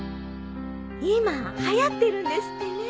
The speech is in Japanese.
今はやってるんですってね。